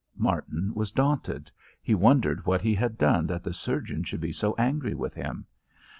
Martin was daunted. He wondered what he had done that the surgeon should be so angry with him.